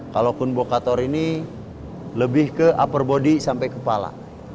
kalau kun bokator ini lebih ke upper body sampai kepala